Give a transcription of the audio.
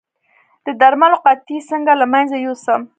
د درملو قطۍ څنګه له منځه یوسم؟